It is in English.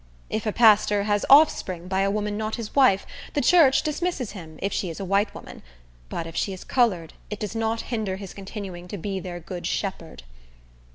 If a pastor has offspring by a woman not his wife, the church dismiss him, if she is a white woman; but if she is colored, it does not hinder his continuing to be their good shepherd.